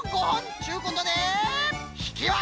ちゅうことでひきわけ！